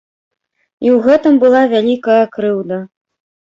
І ў гэтым была вялікая крыўда.